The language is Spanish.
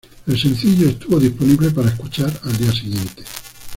El sencillo estuvo disponible para escuchar al día siguiente.